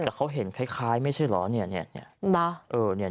แต่เขาเห็นคล้ายคล้ายไม่ใช่เหรอเนี้ยเนี้ยเนี้ยเออเนี้ย